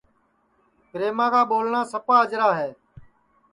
پریما کا ٻولٹؔا سپا اجرا ہے